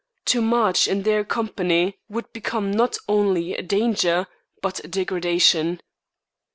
To march in their company would become not only a danger, but a degradation.